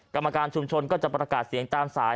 กรรมการชุมชนก็จะประกาศเสียงตามสาย